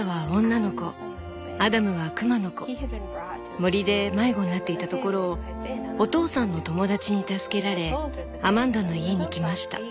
森で迷子になっていたところをお父さんの友達に助けられアマンダの家に来ました。